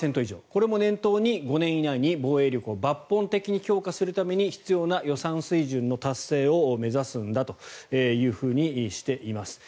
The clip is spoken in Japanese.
これも念頭に５年以内に防衛力を抜本的に強化するために必要な予算水準の達成を目指すんだというふうにしています。